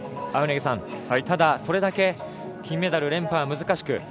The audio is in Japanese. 青柳さん、ただそれだけ金メダル連覇は難しく